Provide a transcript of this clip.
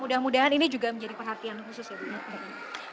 mudah mudahan ini juga menjadi perhatian khusus ya